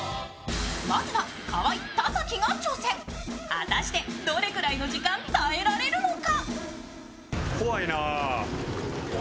まずは河井、田崎が挑戦、果たしてどれぐらいの時間耐えられるのか？